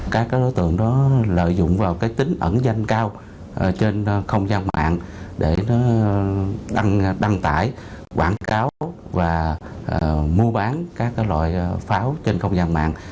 các đối tượng đó lợi dụng vào cái tính ẩn danh cao trên không gian mạng để đăng tải quảng cáo và mua bán các loại pháo trên không gian mạng